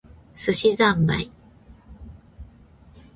寿司ざんまい